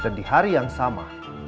dan di hari yang sama